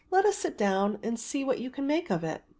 Let us sit down and see what you can make of it."